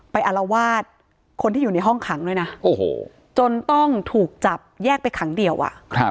ไปอลวาดคนที่อยู่ในห้องขังด้วยนะโอ้โหจนต้องถูกจับแยกไปขังเดี่ยวอ่ะ